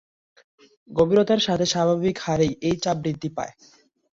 গভীরতার সাথে স্বাভাবিক হারেই এই চাপ বৃদ্ধি পায়।